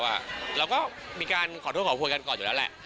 เราก็มีการขอโทษขอโพยกันก่อนอยู่แล้วแหละ